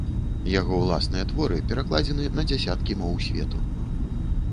Яго ўласныя творы перакладзены на дзясяткі моў свету.